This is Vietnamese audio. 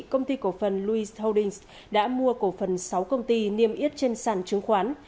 công ty cổ phần louis holdings đã mua cổ phần sáu công ty niêm yết trên sản chứng khoán